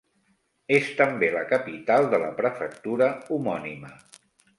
És també la capital de la prefectura homònima.